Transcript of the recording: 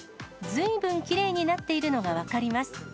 ずいぶんきれいになっているのが分かります。